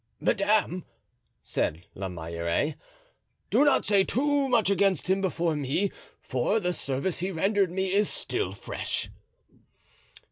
"Madame," said La Meilleraie, "do not say too much against him before me, for the service he rendered me is still fresh."